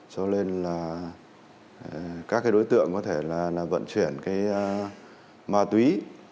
cho nên là các đối tượng có thể là vận chuyển ma túy